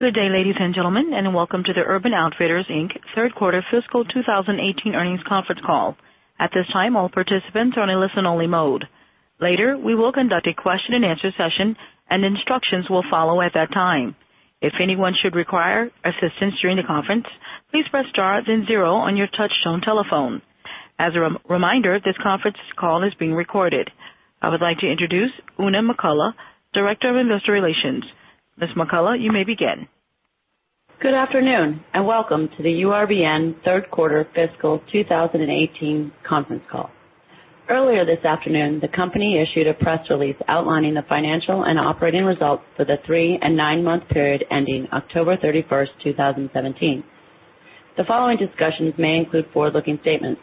Good day, ladies and gentlemen, and welcome to the Urban Outfitters, Inc. third quarter fiscal 2018 earnings conference call. At this time, all participants are in a listen-only mode. Later, we will conduct a question-and-answer session, and instructions will follow at that time. If anyone should require assistance during the conference, please press star then zero on your touchtone telephone. As a reminder, this conference call is being recorded. I would like to introduce Oona McCullough, Director of Investor Relations. Ms. McCullough, you may begin. Good afternoon, and welcome to the URBN third quarter fiscal 2018 conference call. Earlier this afternoon, the company issued a press release outlining the financial and operating results for the three and nine-month period ending October 31st, 2017. The following discussions may include forward-looking statements.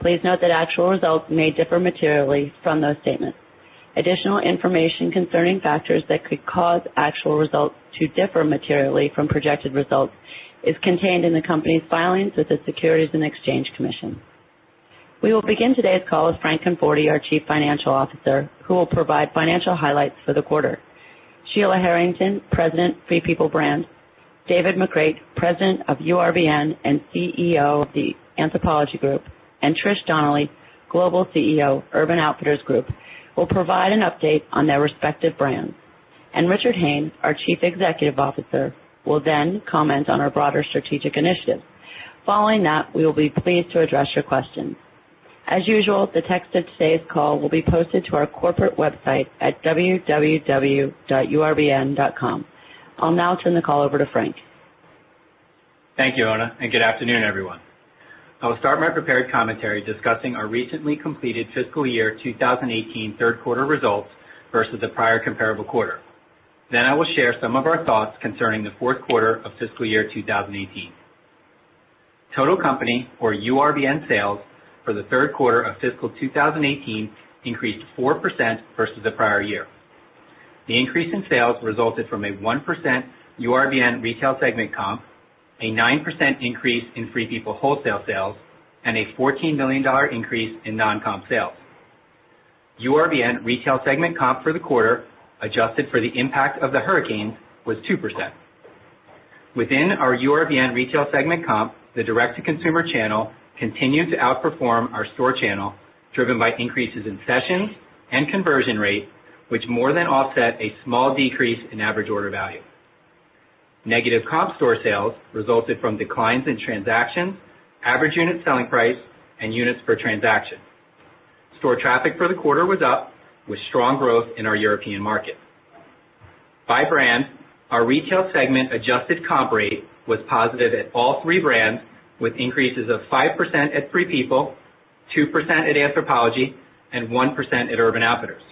Please note that actual results may differ materially from those statements. Additional information concerning factors that could cause actual results to differ materially from projected results is contained in the company's filings with the Securities and Exchange Commission. We will begin today's call with Frank Conforti, our Chief Financial Officer, who will provide financial highlights for the quarter. Sheila Harrington, President, Free People brand, David McCreight, President of URBN and CEO of the Anthropologie Group, and Trish Donnelly, Global CEO, Urban Outfitters Group, will provide an update on their respective brands. Richard Hayne, our Chief Executive Officer, will then comment on our broader strategic initiatives. Following that, we will be pleased to address your questions. As usual, the text of today's call will be posted to our corporate website at www.urbn.com. I'll now turn the call over to Frank. Thank you, Oona, and good afternoon, everyone. I will start my prepared commentary discussing our recently completed fiscal year 2018 third quarter results versus the prior comparable quarter. Then I will share some of our thoughts concerning the fourth quarter of fiscal year 2018. Total company or URBN sales for the third quarter of fiscal 2018 increased 4% versus the prior year. The increase in sales resulted from a 1% URBN retail segment comp, a 9% increase in Free People wholesale sales, and a $14 million increase in non-comp sales. URBN retail segment comp for the quarter, adjusted for the impact of the hurricanes, was 2%. Within our URBN retail segment comp, the direct-to-consumer channel continued to outperform our store channel, driven by increases in sessions and conversion rate, which more than offset a small decrease in average order value. Negative comp store sales resulted from declines in transactions, average unit selling price, and units per transaction. Store traffic for the quarter was up, with strong growth in our European market. By brand, our retail segment adjusted comp rate was positive at all three brands, with increases of 5% at Free People, 2% at Anthropologie, and 1% at Urban Outfitters.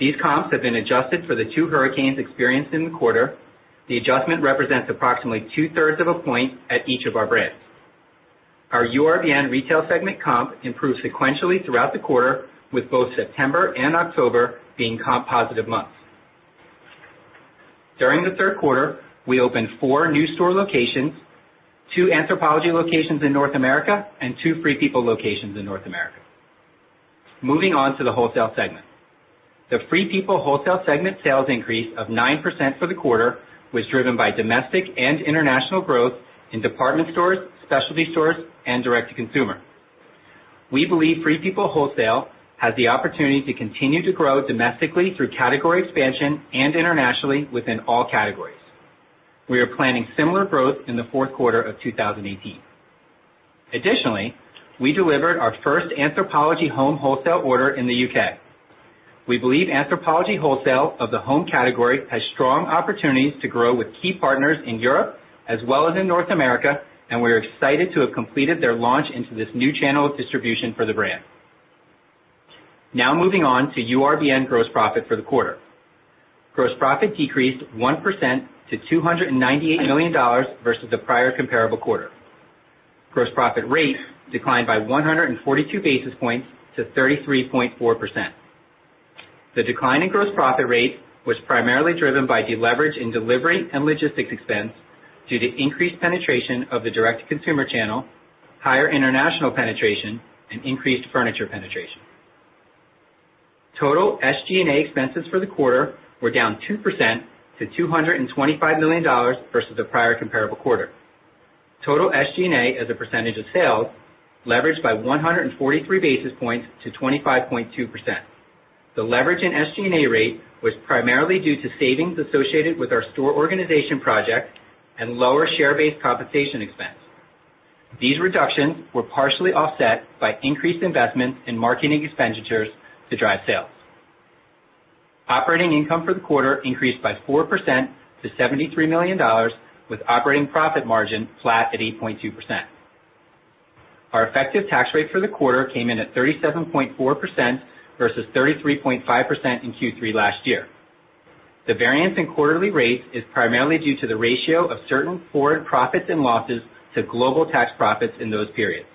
These comps have been adjusted for the two hurricanes experienced in the quarter. The adjustment represents approximately two-thirds of a point at each of our brands. Our URBN retail segment comp improved sequentially throughout the quarter, with both September and October being comp positive months. During the third quarter, we opened 4 new store locations, 2 Anthropologie locations in North America and 2 Free People locations in North America. Moving on to the wholesale segment. The Free People wholesale segment sales increase of 9% for the quarter was driven by domestic and international growth in department stores, specialty stores, and direct to consumer. We believe Free People wholesale has the opportunity to continue to grow domestically through category expansion and internationally within all categories. We are planning similar growth in the fourth quarter of 2018. Additionally, we delivered our first Anthropologie Home wholesale order in the U.K. We believe Anthropologie wholesale of the home category has strong opportunities to grow with key partners in Europe as well as in North America, and we're excited to have completed their launch into this new channel of distribution for the brand. Moving on to URBN gross profit for the quarter. Gross profit decreased 1% to $298 million versus the prior comparable quarter. Gross profit rate declined by 142 basis points to 33.4%. The decline in gross profit rate was primarily driven by deleverage in delivery and logistics expense due to increased penetration of the direct-to-consumer channel, higher international penetration, and increased furniture penetration. Total SG&A expenses for the quarter were down 2% to $225 million versus the prior comparable quarter. Total SG&A as a percentage of sales leveraged by 143 basis points to 25.2%. The leverage in SG&A rate was primarily due to savings associated with our store organization project and lower share-based compensation expense. These reductions were partially offset by increased investments in marketing expenditures to drive sales. Operating income for the quarter increased by 4% to $73 million, with operating profit margin flat at 8.2%. Our effective tax rate for the quarter came in at 37.4% versus 33.5% in Q3 last year. The variance in quarterly rates is primarily due to the ratio of certain foreign profits and losses to global tax profits in those periods.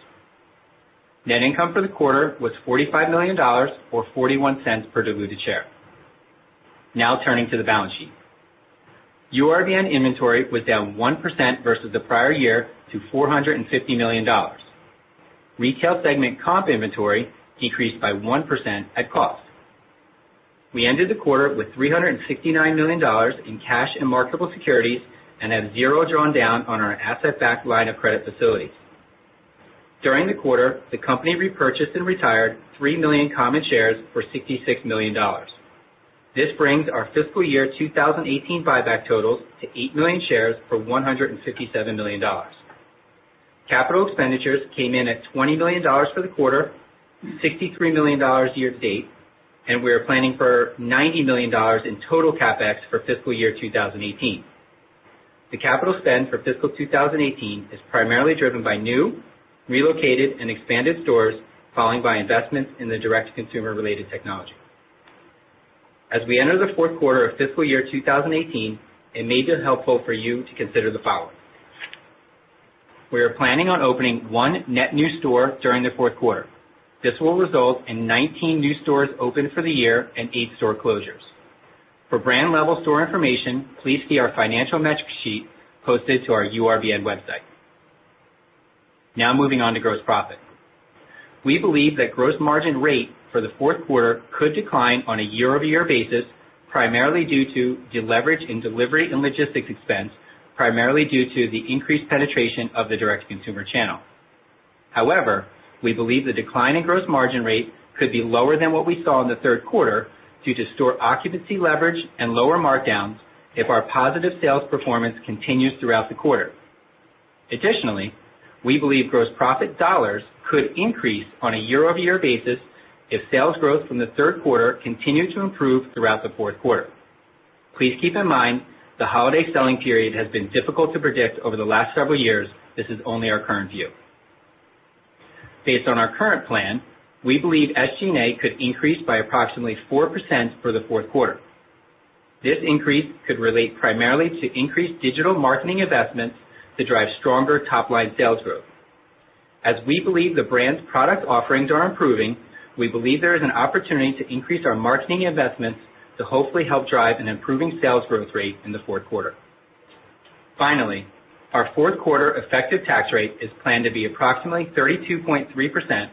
Net income for the quarter was $45 million, or $0.41 per diluted share. Now turning to the balance sheet. URBN inventory was down 1% versus the prior year to $450 million. Retail segment comp inventory decreased by 1% at cost. We ended the quarter with $369 million in cash and marketable securities and have zero drawn down on our asset-backed line of credit facilities. During the quarter, the company repurchased and retired 3 million common shares for $66 million. This brings our fiscal year 2018 buyback totals to 8 million shares for $157 million. Capital expenditures came in at $20 million for the quarter, $63 million year to date, and we are planning for $90 million in total CapEx for fiscal year 2018. The capital spend for fiscal 2018 is primarily driven by new, relocated, and expanded stores, followed by investments in the direct-to-consumer related technology. As we enter the fourth quarter of fiscal year 2018, it may be helpful for you to consider the following. We are planning on opening one net new store during the fourth quarter. This will result in 19 new stores opened for the year and eight store closures. For brand level store information, please see our financial metrics sheet posted to our urbn.com website. We believe that gross margin rate for the fourth quarter could decline on a year-over-year basis, primarily due to deleverage in delivery and logistics expense, primarily due to the increased penetration of the direct-to-consumer channel. We believe the decline in gross margin rate could be lower than what we saw in the third quarter due to store occupancy leverage and lower markdowns if our positive sales performance continues throughout the quarter. Additionally, we believe gross profit dollars could increase on a year-over-year basis if sales growth from the third quarter continue to improve throughout the fourth quarter. Please keep in mind the holiday selling period has been difficult to predict over the last several years. This is only our current view. Based on our current plan, we believe SG&A could increase by approximately 4% for the fourth quarter. This increase could relate primarily to increased digital marketing investments to drive stronger top-line sales growth. As we believe the brand's product offerings are improving, we believe there is an opportunity to increase our marketing investments to hopefully help drive an improving sales growth rate in the fourth quarter. Finally, our fourth quarter effective tax rate is planned to be approximately 32.3%,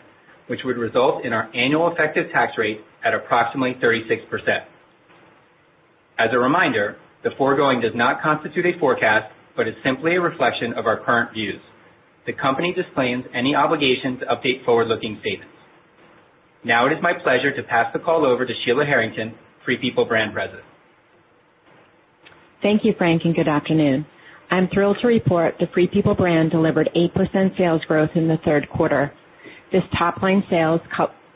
which would result in our annual effective tax rate at approximately 36%. As a reminder, the foregoing does not constitute a forecast, but is simply a reflection of our current views. The company disclaims any obligation to update forward-looking statements. It is my pleasure to pass the call over to Sheila Harrington, Free People Brand President. Thank you, Frank, and good afternoon. I am thrilled to report the Free People brand delivered 8% sales growth in the third quarter. This top-line sales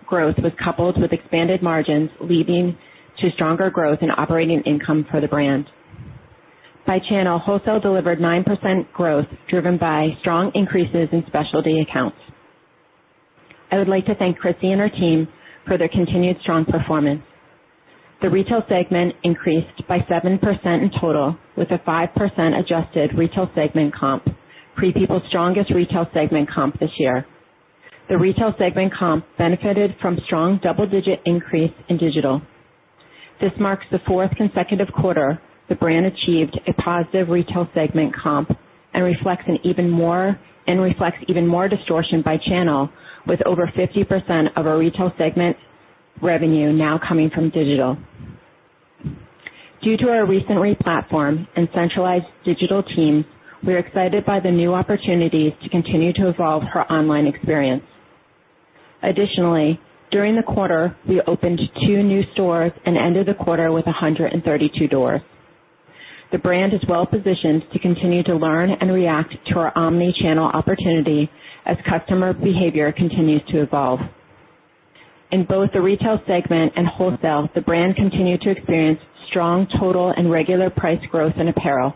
growth was coupled with expanded margins, leading to stronger growth in operating income for the brand. By channel, wholesale delivered 9% growth, driven by strong increases in specialty accounts. I would like to thank Kristie and her team for their continued strong performance. The retail segment increased by 7% in total, with a 5% adjusted retail segment comp, Free People's strongest retail segment comp this year. The retail segment comp benefited from strong double-digit increase in digital. This marks the fourth consecutive quarter the brand achieved a positive retail segment comp and reflects even more distortion by channel, with over 50% of our retail segment revenue now coming from digital. Due to our recent re-platform and centralized digital team, we are excited by the new opportunities to continue to evolve our online experience. Additionally, during the quarter, we opened two new stores and ended the quarter with 132 doors. The brand is well positioned to continue to learn and react to our omni-channel opportunity as customer behavior continues to evolve. In both the retail segment and wholesale, the brand continued to experience strong total and regular price growth in apparel,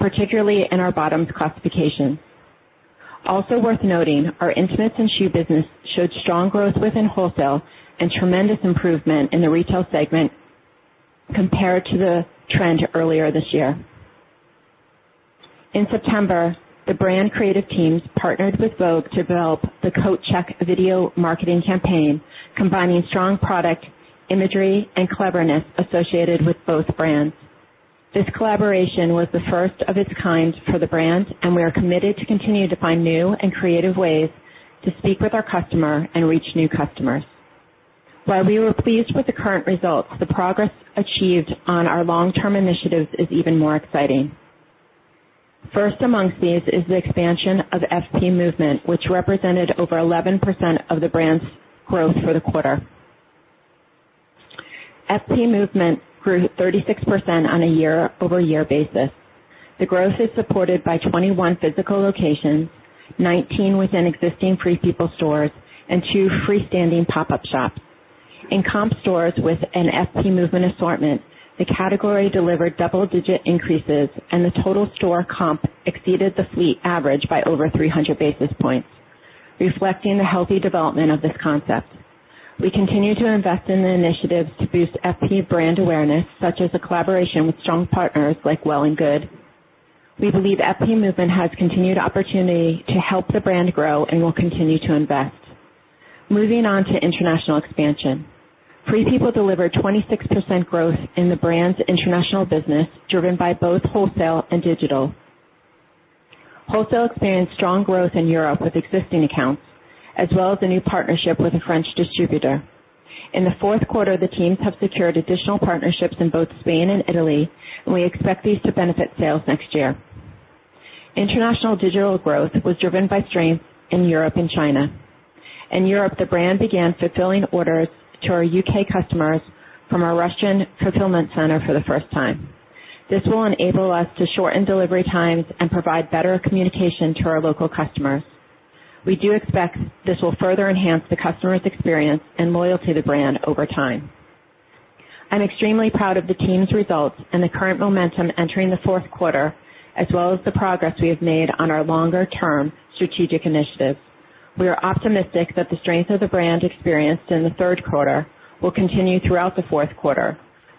particularly in our bottoms classification. Also worth noting, our intimates and shoe business showed strong growth within wholesale and tremendous improvement in the retail segment compared to the trend earlier this year. In September, the brand creative teams partnered with Vogue to develop the Coat Check video marketing campaign, combining strong product imagery and cleverness associated with both brands. This collaboration was the first of its kind for the brand, we are committed to continue to find new and creative ways to speak with our customer and reach new customers. While we were pleased with the current results, the progress achieved on our long-term initiatives is even more exciting. First amongst these is the expansion of FP Movement, which represented over 11% of the brand's growth for the quarter. FP Movement grew 36% on a year-over-year basis. The growth is supported by 21 physical locations, 19 within existing Free People stores, and two freestanding pop-up shops. In comp stores with an FP Movement assortment, the category delivered double-digit increases, and the total store comp exceeded the fleet average by over 300 basis points, reflecting the healthy development of this concept. We continue to invest in the initiatives to boost FP brand awareness, such as a collaboration with strong partners like Well+Good. We believe FP Movement has continued opportunity to help the brand grow and will continue to invest. Moving on to international expansion. Free People delivered 26% growth in the brand's international business, driven by both wholesale and digital. Wholesale experienced strong growth in Europe with existing accounts, as well as a new partnership with a French distributor. In the fourth quarter, the teams have secured additional partnerships in both Spain and Italy, we expect these to benefit sales next year. International digital growth was driven by strength in Europe and China. In Europe, the brand began fulfilling orders to our U.K. customers from our Rushden fulfillment center for the first time. This will enable us to shorten delivery times and provide better communication to our local customers. We do expect this will further enhance the customer's experience and loyalty to the brand over time. I'm extremely proud of the team's results and the current momentum entering the fourth quarter, as well as the progress we have made on our longer-term strategic initiatives. We are optimistic that the strength of the brand experienced in the third quarter will continue throughout the fourth quarter,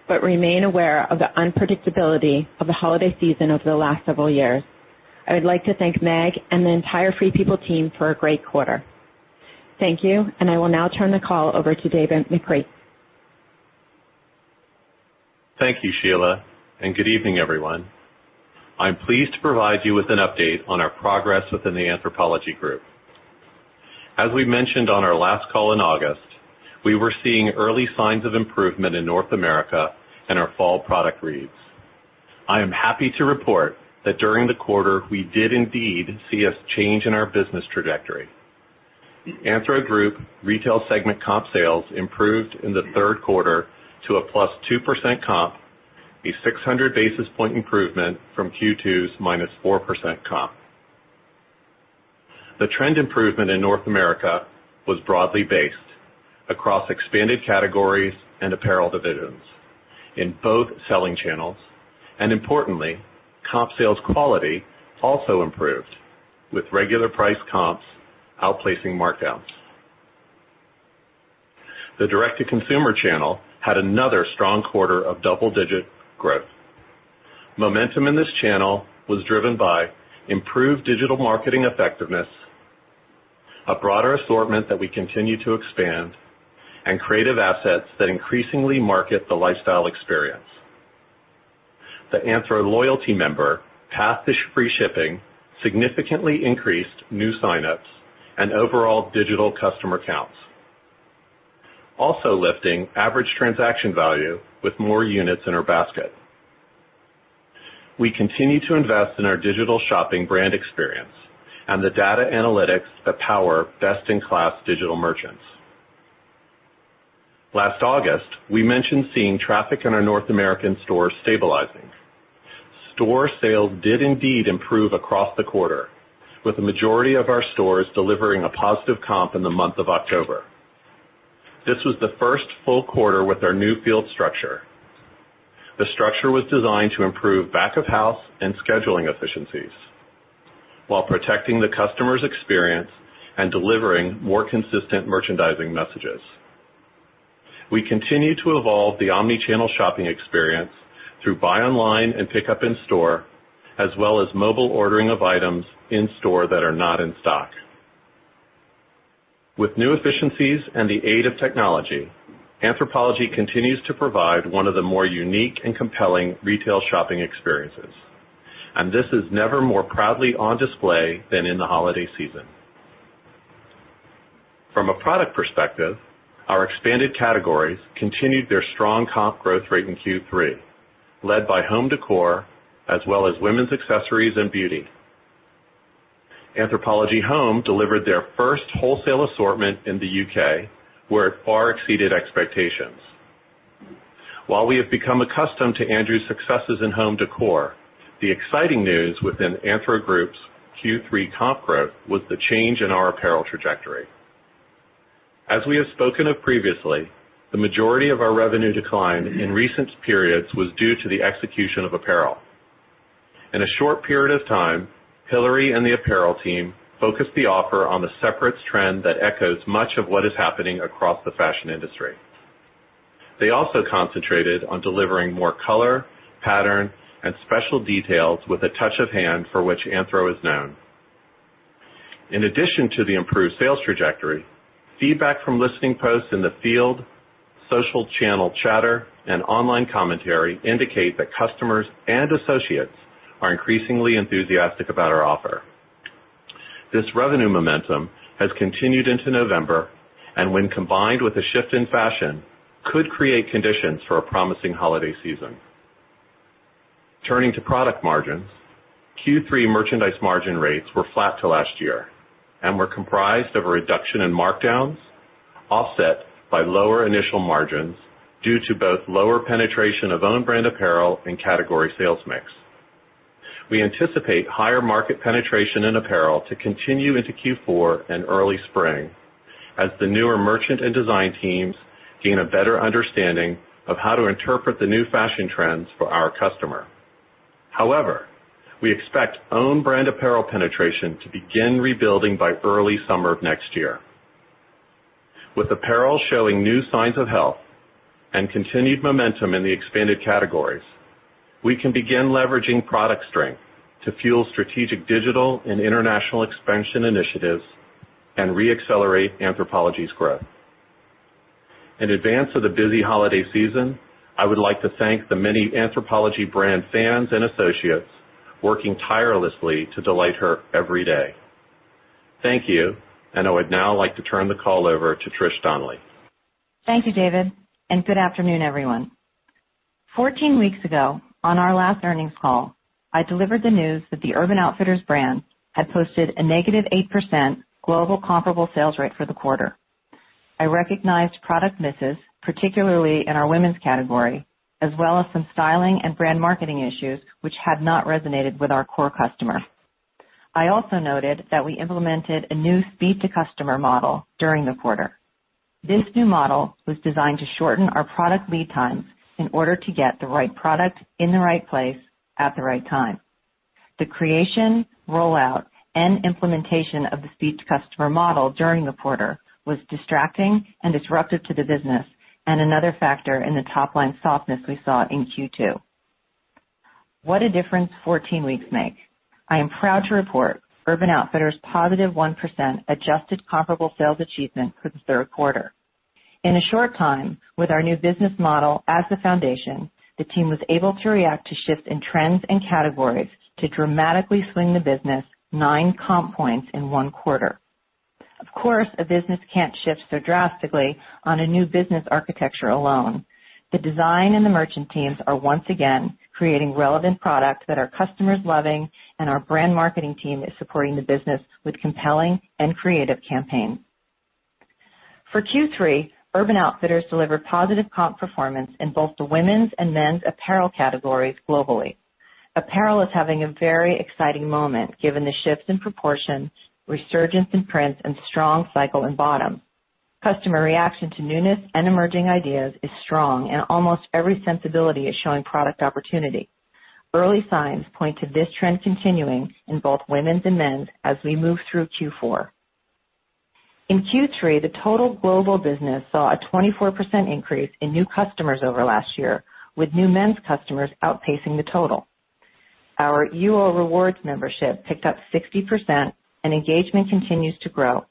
remain aware of the unpredictability of the holiday season over the last several years. I would like to thank Meg and the entire Free People team for a great quarter. Thank you, I will now turn the call over to David McCreight. Thank you, Sheila, and good evening, everyone. I'm pleased to provide you with an update on our progress within the Anthropologie Group. As we mentioned on our last call in August, we were seeing early signs of improvement in North America in our fall product reads. I am happy to report that during the quarter, we did indeed see a change in our business trajectory. The Anthro Group retail segment comp sales improved in the third quarter to a +2% comp, a 600 basis points improvement from Q2's -4% comp. The trend improvement in North America was broadly based across expanded categories and apparel divisions in both selling channels. Importantly, comp sales quality also improved with regular price comps outplacing markdowns. The direct-to-consumer channel had another strong quarter of double-digit growth. Momentum in this channel was driven by improved digital marketing effectiveness, a broader assortment that we continue to expand, and creative assets that increasingly market the lifestyle experience. The Anthro loyalty member passed free shipping, significantly increased new sign-ups, and overall digital customer counts, also lifting average transaction value with more units in our basket. We continue to invest in our digital shopping brand experience and the data analytics that power best-in-class digital merchants. Last August, we mentioned seeing traffic in our North American stores stabilizing. Store sales did indeed improve across the quarter, with the majority of our stores delivering a positive comp in the month of October. This was the first full quarter with our new field structure. The structure was designed to improve back-of-house and scheduling efficiencies while protecting the customer's experience and delivering more consistent merchandising messages. We continue to evolve the omni-channel shopping experience through buy online and pickup in-store, as well as mobile ordering of items in-store that are not in stock. With new efficiencies and the aid of technology, Anthropologie continues to provide one of the more unique and compelling retail shopping experiences, and this is never more proudly on display than in the holiday season. From a product perspective, our expanded categories continued their strong comp growth rate in Q3, led by home decor as well as women's accessories and beauty. Anthropologie Home delivered their first wholesale assortment in the U.K., where it far exceeded expectations. While we have become accustomed to Andrew's successes in home decor, the exciting news within Anthro Group's Q3 comp growth was the change in our apparel trajectory. As we have spoken of previously, the majority of our revenue decline in recent periods was due to the execution of apparel. In a short period of time, Hillary and the apparel team focused the offer on the separates trend that echoes much of what is happening across the fashion industry. They also concentrated on delivering more color, pattern, and special details with a touch of hand for which Anthro is known. In addition to the improved sales trajectory, feedback from listening posts in the field, social channel chatter, and online commentary indicate that customers and associates are increasingly enthusiastic about our offer. This revenue momentum has continued into November, when combined with a shift in fashion, could create conditions for a promising holiday season. Turning to product margins, Q3 merchandise margin rates were flat to last year and were comprised of a reduction in markdowns offset by lower initial margins due to both lower penetration of own brand apparel and category sales mix. We anticipate higher market penetration in apparel to continue into Q4 and early spring as the newer merchant and design teams gain a better understanding of how to interpret the new fashion trends for our customer. However, we expect own brand apparel penetration to begin rebuilding by early summer of next year. With apparel showing new signs of health and continued momentum in the expanded categories, we can begin leveraging product strength to fuel strategic digital and international expansion initiatives and re-accelerate Anthropologie's growth. In advance of the busy holiday season, I would like to thank the many Anthropologie brand fans and associates working tirelessly to delight her every day. Thank you, I would now like to turn the call over to Trish Donnelly. Thank you, David, Good afternoon, everyone. 14 weeks ago, on our last earnings call, I delivered the news that the Urban Outfitters brand had posted a negative 8% global comparable sales rate for the quarter. I recognized product misses, particularly in our women's category, as well as some styling and brand marketing issues which had not resonated with our core customer. I also noted that we implemented a new speed to customer model during the quarter. This new model was designed to shorten our product lead times in order to get the right product in the right place at the right time. The creation, rollout, and implementation of the speed to customer model during the quarter was distracting and disruptive to the business, another factor in the top-line softness we saw in Q2. What a difference 14 weeks make. I am proud to report Urban Outfitters' positive 1% adjusted comparable sales achievement for the third quarter. In a short time, with our new business model as the foundation, the team was able to react to shifts in trends and categories to dramatically swing the business nine comp points in one quarter. Of course, a business can't shift so drastically on a new business architecture alone. The design and the merchant teams are once again creating relevant products that our customers' loving, Our brand marketing team is supporting the business with compelling and creative campaigns. For Q3, Urban Outfitters delivered positive comp performance in both the women's and men's apparel categories globally. Apparel is having a very exciting moment given the shifts in proportion, resurgence in prints, and strong cycle in bottom. Customer reaction to newness and emerging ideas is strong, almost every sensibility is showing product opportunity. Early signs point to this trend continuing in both women's and men's as we move through Q4. In Q3, the total global business saw a 24% increase in new customers over last year, with new men's customers outpacing the total. Our UO Rewards membership picked up 60%, and engagement continues to grow.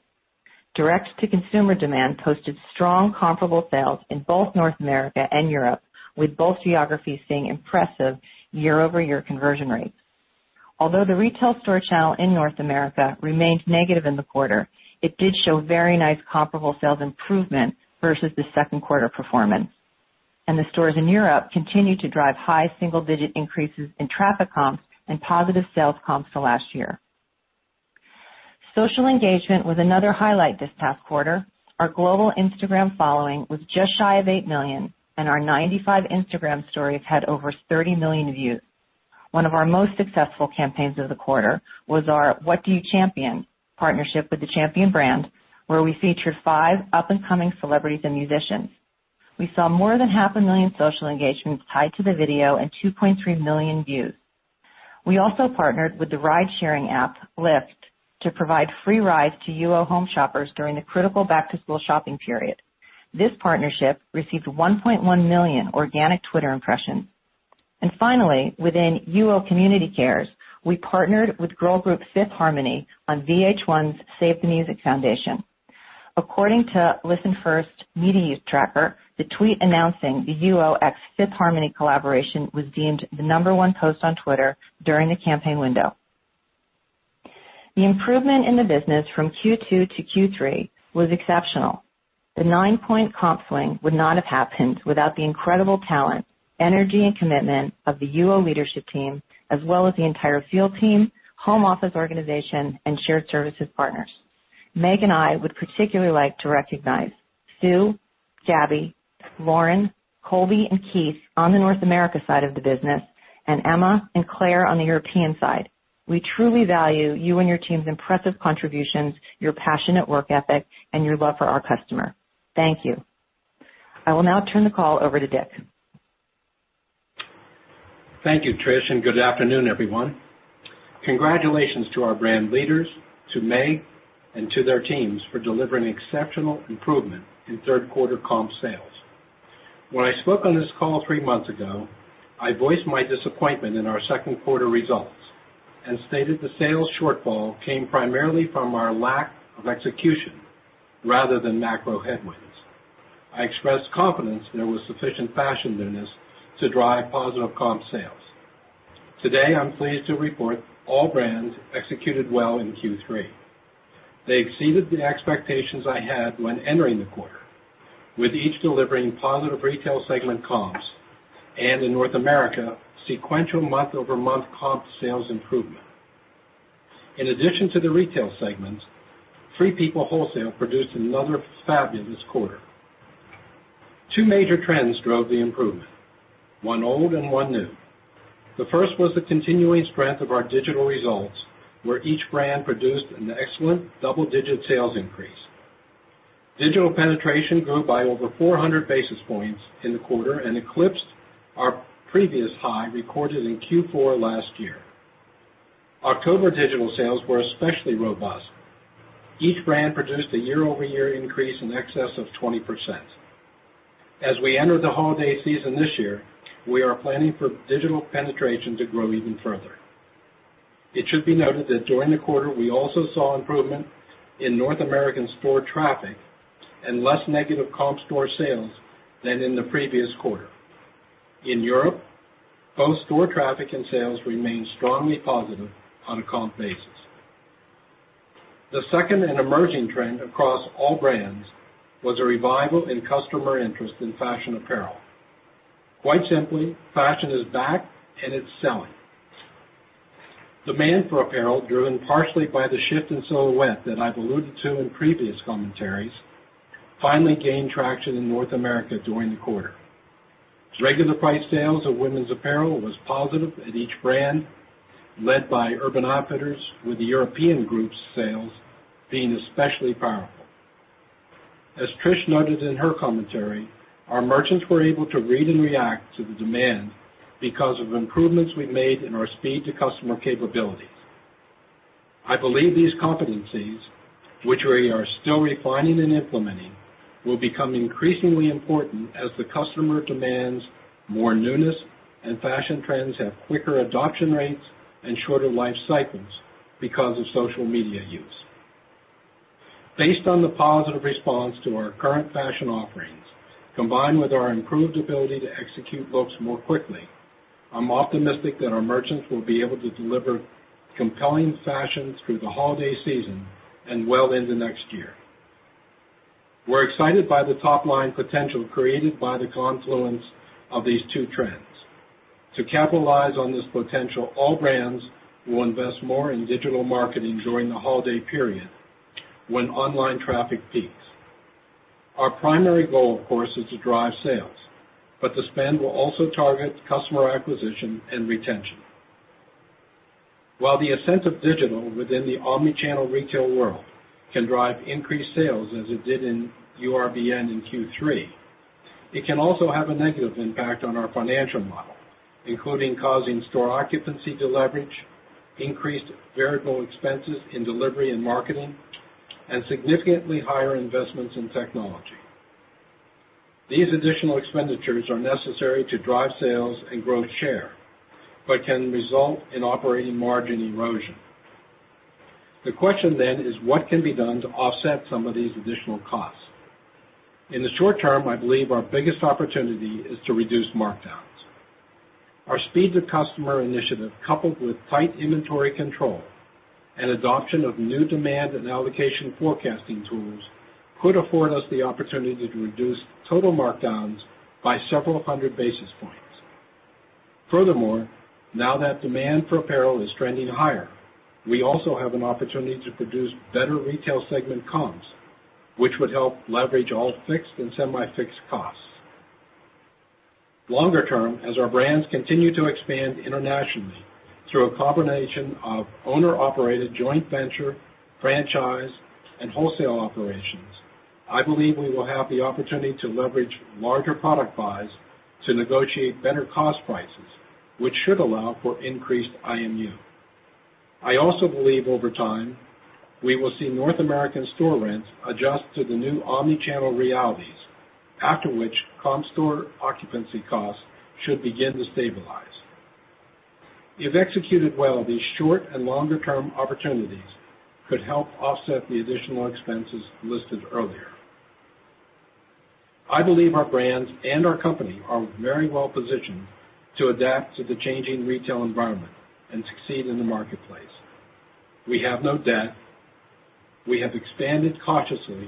Direct-to-consumer demand posted strong comparable sales in both North America and Europe, with both geographies seeing impressive year-over-year conversion rates. Although the retail store channel in North America remained negative in the quarter, it did show very nice comparable sales improvement versus the second quarter performance. The stores in Europe continued to drive high single-digit increases in traffic comps and positive sales comps to last year. Social engagement was another highlight this past quarter. Our global Instagram following was just shy of 8 million, and our 95 Instagram stories had over 30 million views. One of our most successful campaigns of the quarter was our What Do You Champion partnership with the Champion brand, where we featured five up-and-coming celebrities and musicians. We saw more than half a million social engagements tied to the video and 2.3 million views. We also partnered with the ride-sharing app, Lyft, to provide free rides to UO home shoppers during the critical back-to-school shopping period. This partnership received 1.1 million organic Twitter impressions. Finally, within UO Community Cares, we partnered with girl group Fifth Harmony on VH1's Save the Music Foundation. According to ListenFirst Media Use Tracker, the tweet announcing the UO x Fifth Harmony collaboration was deemed the number 1 post on Twitter during the campaign window. The improvement in the business from Q2 to Q3 was exceptional. The nine-point comp swing would not have happened without the incredible talent, energy, and commitment of the UO leadership team, as well as the entire field team, home office organization, and shared services partners. Meg and I would particularly like to recognize Sue, Gabby, Lauren, Colby, and Keith on the North America side of the business, and Emma and Claire on the European side. We truly value you and your team's impressive contributions, your passionate work ethic, and your love for our customer. Thank you. I will now turn the call over to Dick. Thank you, Trish, and good afternoon, everyone. Congratulations to our brand leaders, to Meg, and to their teams for delivering exceptional improvement in third-quarter comp sales. When I spoke on this call three months ago, I voiced my disappointment in our second quarter results and stated the sales shortfall came primarily from our lack of execution rather than macro headwinds. I expressed confidence there was sufficient fashion newness to drive positive comp sales. Today, I'm pleased to report all brands executed well in Q3. They exceeded the expectations I had when entering the quarter, with each delivering positive retail segment comps and, in North America, sequential month-over-month comp sales improvement. In addition to the retail segment, Free People Wholesale produced another fabulous quarter. Two major trends drove the improvement, one old and one new. The first was the continuing strength of our digital results, where each brand produced an excellent double-digit sales increase. Digital penetration grew by over 400 basis points in the quarter and eclipsed our previous high recorded in Q4 last year. October digital sales were especially robust. Each brand produced a year-over-year increase in excess of 20%. As we enter the holiday season this year, we are planning for digital penetration to grow even further. It should be noted that during the quarter, we also saw improvement in North American store traffic and less negative comp store sales than in the previous quarter. In Europe, both store traffic and sales remained strongly positive on a comp basis. The second and emerging trend across all brands was a revival in customer interest in fashion apparel. Quite simply, fashion is back, and it's selling. Demand for apparel, driven partially by the shift in silhouette that I've alluded to in previous commentaries, finally gained traction in North America during the quarter. Regular price sales of women's apparel was positive at each brand, led by Urban Outfitters, with the European group's sales being especially powerful. As Trish noted in her commentary, our merchants were able to read and react to the demand because of improvements we've made in our speed-to-customer capabilities. I believe these competencies, which we are still refining and implementing, will become increasingly important as the customer demands more newness and fashion trends have quicker adoption rates and shorter life cycles because of social media use. Based on the positive response to our current fashion offerings, combined with our improved ability to execute looks more quickly, I'm optimistic that our merchants will be able to deliver compelling fashion through the holiday season and well into next year. We're excited by the top-line potential created by the confluence of these two trends. To capitalize on this potential, all brands will invest more in digital marketing during the holiday period when online traffic peaks. Our primary goal, of course, is to drive sales, but the spend will also target customer acquisition and retention. While the ascent of digital within the omni-channel retail world can drive increased sales, as it did in URBN in Q3, it can also have a negative impact on our financial model, including causing store occupancy deleverage, increased variable expenses in delivery and marketing, and significantly higher investments in technology. These additional expenditures are necessary to drive sales and grow share but can result in operating margin erosion. The question then is what can be done to offset some of these additional costs. In the short term, I believe our biggest opportunity is to reduce markdowns. Our speed-to-customer initiative, coupled with tight inventory control and adoption of new demand and allocation forecasting tools, could afford us the opportunity to reduce total markdowns by several hundred basis points. Furthermore, now that demand for apparel is trending higher, we also have an opportunity to produce better retail segment comps, which would help leverage all fixed and semi-fixed costs. Longer term, as our brands continue to expand internationally through a combination of owner-operated joint venture, franchise, and wholesale operations, I believe we will have the opportunity to leverage larger product buys to negotiate better cost prices, which should allow for increased IMU. I also believe over time, we will see North American store rents adjust to the new omni-channel realities, after which comp store occupancy costs should begin to stabilize. If executed well, these short- and longer-term opportunities could help offset the additional expenses listed earlier. I believe our brands and our company are very well-positioned to adapt to the changing retail environment and succeed in the marketplace. We have no debt. We have expanded cautiously,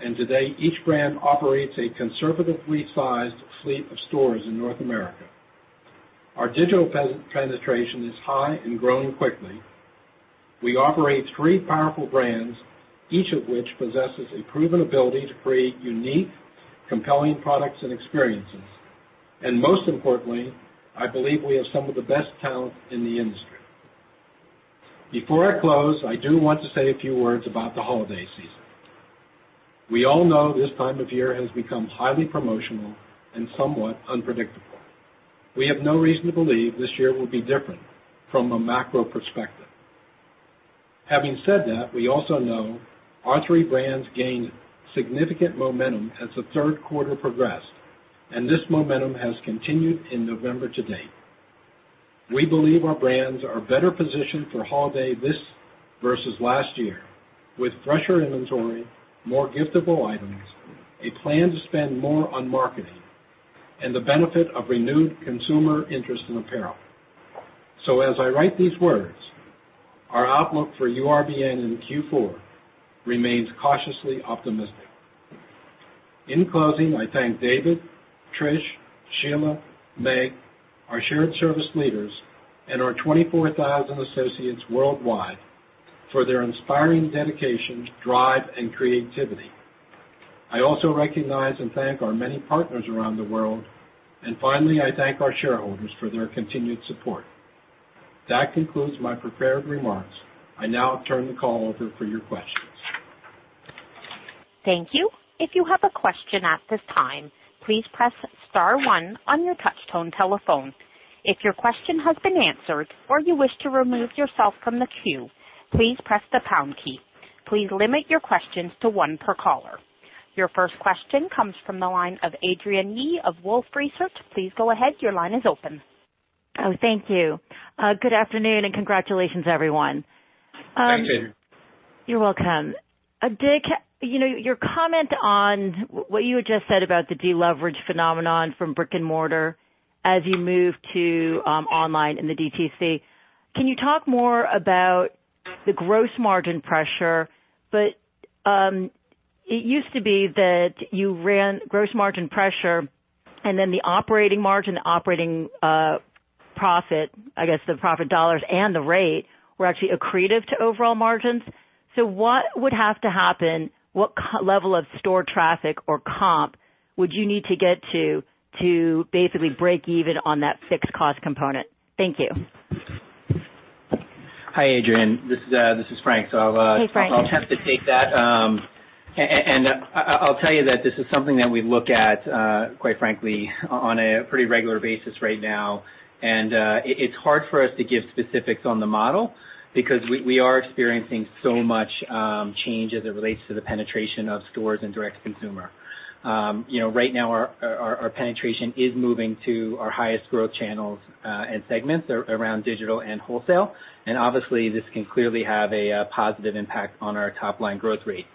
and today, each brand operates a conservatively sized fleet of stores in North America. Our digital penetration is high and growing quickly. We operate three powerful brands, each of which possesses a proven ability to create unique, compelling products and experiences. Most importantly, I believe we have some of the best talent in the industry. Before I close, I do want to say a few words about the holiday season. We all know this time of year has become highly promotional and somewhat unpredictable. We have no reason to believe this year will be different from a macro perspective. Having said that, we also know our three brands gained significant momentum as the third quarter progressed, and this momentum has continued in November to date. We believe our brands are better positioned for holiday this versus last year with fresher inventory, more giftable items, a plan to spend more on marketing, and the benefit of renewed consumer interest in apparel. As I write these words, our outlook for URBN in Q4 remains cautiously optimistic. In closing, I thank David, Trish, Sheila, Meg, our shared service leaders, and our 24,000 associates worldwide for their inspiring dedication, drive, and creativity. I also recognize and thank our many partners around the world. Finally, I thank our shareholders for their continued support. That concludes my prepared remarks. I now turn the call over for your questions. Thank you. If you have a question at this time, please press * one on your touchtone telephone. If your question has been answered or you wish to remove yourself from the queue, please press the pound key. Please limit your questions to one per caller. Your first question comes from the line of Adrienne Yih of Wolfe Research. Please go ahead. Your line is open. Oh, thank you. Good afternoon and congratulations, everyone. Thank you. You're welcome. Dick, your comment on what you had just said about the deleverage phenomenon from brick and mortar as you move to online in the DTC. Can you talk more about the gross margin pressure? It used to be that you ran gross margin pressure and then the operating margin, the operating profit, I guess the profit dollars and the rate were actually accretive to overall margins. What would have to happen? What level of store traffic or comp would you need to get to basically break even on that fixed cost component? Thank you. Hi, Adrienne. This is Frank. Hey, Frank. I'll be happy to take that. I'll tell you that this is something that we look at, quite frankly, on a pretty regular basis right now. It's hard for us to give specifics on the model because we are experiencing so much change as it relates to the penetration of stores and direct-to-consumer. Right now, our penetration is moving to our highest growth channels and segments around digital and wholesale, obviously, this can clearly have a positive impact on our top-line growth rate.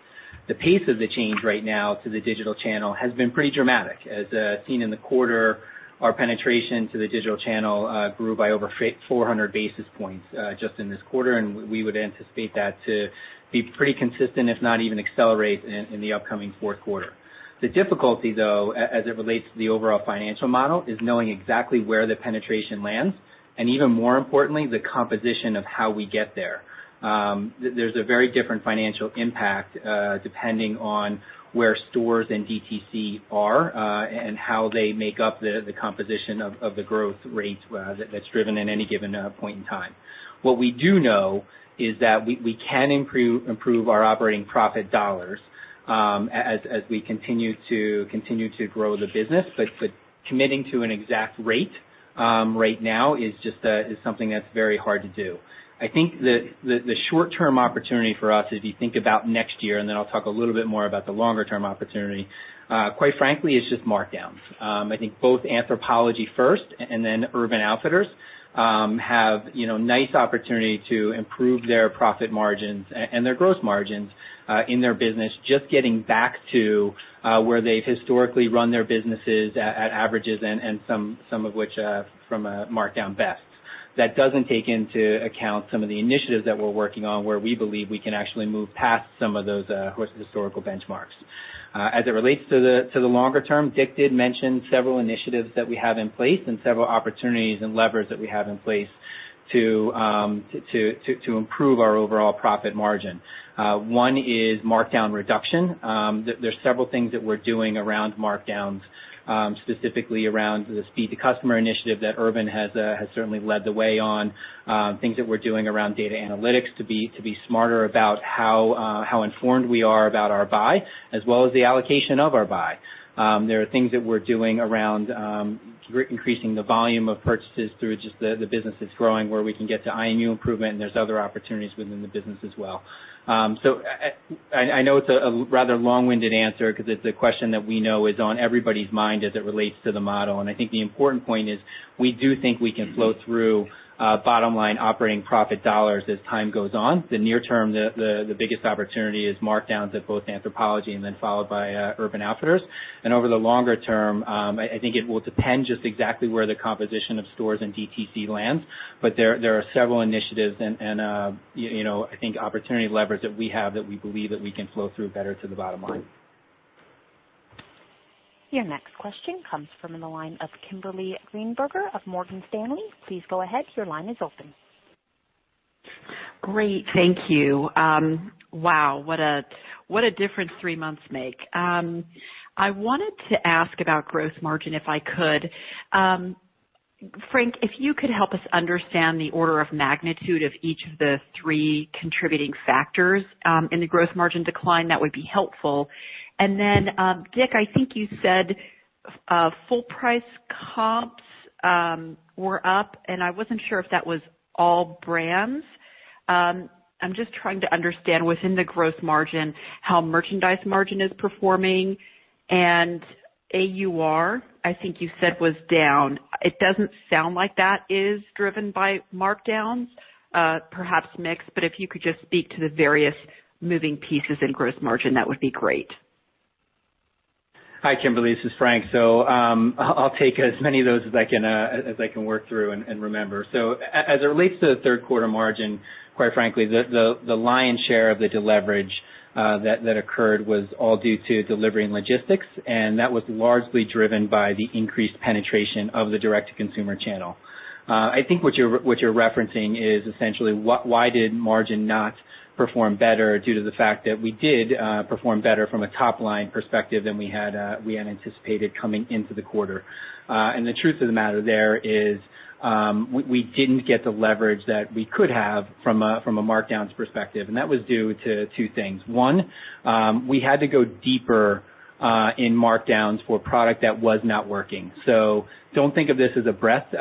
The pace of the change right now to the digital channel has been pretty dramatic. As seen in the quarter, our penetration to the digital channel grew by over 400 basis points just in this quarter, and we would anticipate that to be pretty consistent, if not even accelerate in the upcoming fourth quarter. The difficulty, though, as it relates to the overall financial model, is knowing exactly where the penetration lands and, even more importantly, the composition of how we get there. There's a very different financial impact depending on where stores and DTC are and how they make up the composition of the growth rate that's driven at any given point in time. What we do know is that we can improve our operating profit dollars as we continue to grow the business. Committing to an exact rate right now is something that's very hard to do. I think that the short-term opportunity for us, if you think about next year, I'll talk a little bit more about the longer-term opportunity, quite frankly, is just markdowns. I think both Anthropologie first and then Urban Outfitters have nice opportunity to improve their profit margins and their gross margins in their business, just getting back to where they've historically run their businesses at averages and some of which from a markdown best. That doesn't take into account some of the initiatives that we're working on where we believe we can actually move past some of those historical benchmarks. As it relates to the longer term, Dick did mention several initiatives that we have in place and several opportunities and levers that we have in place to improve our overall profit margin. One is markdown reduction. There's several things that we're doing around markdowns, specifically around the Speed to Customer initiative that Urban has certainly led the way on. Things that we're doing around data analytics to be smarter about how informed we are about our buy as well as the allocation of our buy. There are things that we're doing around increasing the volume of purchases through just the business that's growing, where we can get to IMU improvement, and there's other opportunities within the business as well. I know it's a rather long-winded answer because it's a question that we know is on everybody's mind as it relates to the model. I think the important point is we do think we can flow through bottom-line operating profit dollars as time goes on. The near term, the biggest opportunity is markdowns at both Anthropologie and then followed by Urban Outfitters. Over the longer term, I think it will depend just exactly where the composition of stores and DTC lands. There are several initiatives and I think opportunity levers that we have that we believe that we can flow through better to the bottom line. Your next question comes from the line of Kimberly Greenberger of Morgan Stanley. Please go ahead. Your line is open. Great. Thank you. Wow, what a different three months make. I wanted to ask about gross margin, if I could. Frank, if you could help us understand the order of magnitude of each of the three contributing factors in the gross margin decline, that would be helpful. Then, Dick, I think you said full price comps were up, and I wasn't sure if that was all brands. I'm just trying to understand within the gross margin how merchandise margin is performing and AUR, I think you said was down. It doesn't sound like that is driven by markdowns, perhaps mix. If you could just speak to the various moving pieces in gross margin, that would be great. Hi, Kimberly, this is Frank. I'll take as many of those as I can work through and remember. As it relates to the third quarter margin, quite frankly, the lion's share of the deleverage that occurred was all due to delivery and logistics, and that was largely driven by the increased penetration of the direct-to-consumer channel. I think what you're referencing is essentially why did margin not perform better due to the fact that we did perform better from a top-line perspective than we had anticipated coming into the quarter. The truth of the matter there is we didn't get the leverage that we could have from a markdown's perspective, and that was due to two things. One, we had to go deeper in markdowns for product that was not working. Don't think of this as a breadth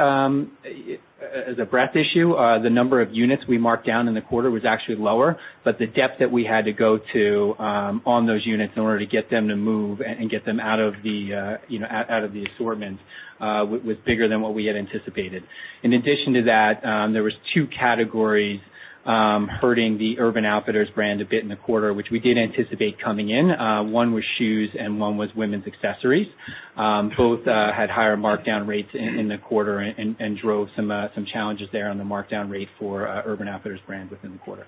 issue, the number of units we marked down in the quarter was actually lower, but the depth that we had to go to on those units in order to get them to move and get them out of the assortment was bigger than what we had anticipated. In addition to that, there was two categories hurting the Urban Outfitters brand a bit in the quarter, which we did anticipate coming in. One was shoes, and one was women's accessories. Both had higher markdown rates in the quarter and drove some challenges there on the markdown rate for Urban Outfitters brand within the quarter.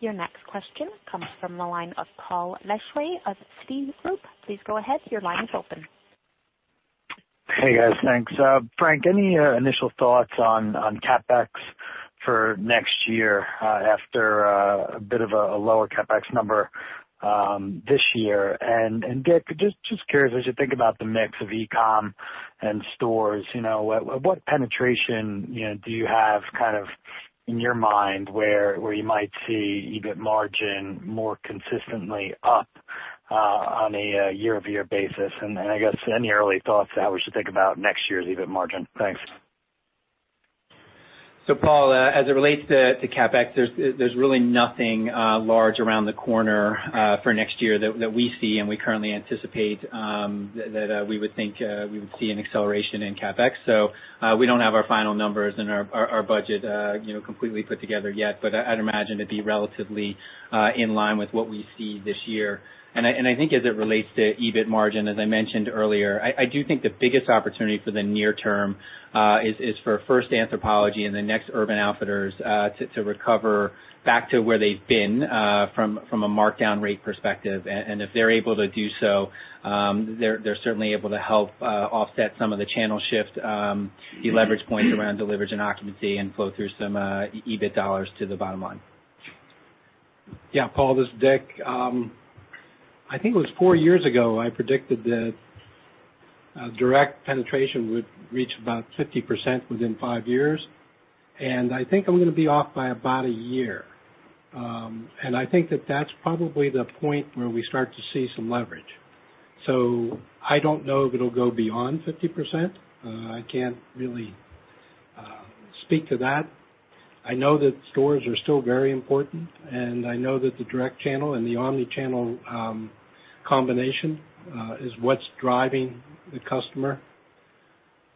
Your next question comes from the line of Paul Lejuez of Citi. Please go ahead. Your line is open. Hey, guys. Thanks. Frank, any initial thoughts on CapEx for next year after a bit of a lower CapEx number this year? Dick, just curious, as you think about the mix of e-com and stores, what penetration do you have in your mind where you might see EBIT margin more consistently up on a year-over-year basis? I guess any early thoughts as we should think about next year's EBIT margin. Thanks. Paul, as it relates to CapEx, there's really nothing large around the corner for next year that we see. We currently anticipate that we would think we would see an acceleration in CapEx. We don't have our final numbers and our budget completely put together yet, but I'd imagine it'd be relatively in line with what we see this year. I think as it relates to EBIT margin, as I mentioned earlier, I do think the biggest opportunity for the near term is for first Anthropologie and then next Urban Outfitters to recover back to where they've been from a markdown rate perspective. If they're able to do so, they're certainly able to help offset some of the channel shift, de-leverage points around delivery and occupancy, and flow through some EBIT dollars to the bottom line. Paul, this is Dick. I think it was four years ago, I predicted that direct penetration would reach about 50% within five years. I think I'm going to be off by about a year. I think that that's probably the point where we start to see some leverage. I don't know if it'll go beyond 50%. I can't really speak to that. I know that stores are still very important. I know that the direct channel and the omni-channel combination is what's driving the customer.